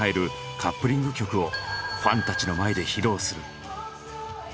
カップリング曲をファンたちの前で披露する。